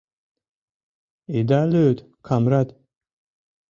— Ида лӱд, камрат.